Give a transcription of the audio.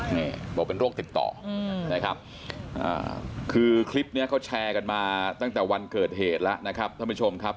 นี่บอกเป็นโรคติดต่อนะครับคือคลิปนี้เขาแชร์กันมาตั้งแต่วันเกิดเหตุแล้วนะครับท่านผู้ชมครับ